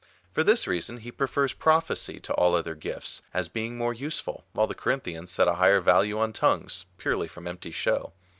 For this reason he prefers prophecy to all other gifts, as being more useful, while the Corinthians set a higher value on tongues, purely from empty show.